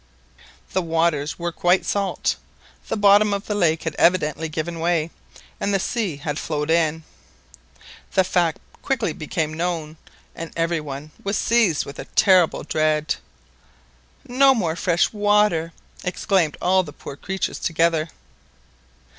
The waters were quite salt; the bottom of the lake had evidently given way, and the sea had flowed in. The fact quickly became known, and every one was seized with a terrible dread. "No more fresh water!" exclaimed all the poor creatures together.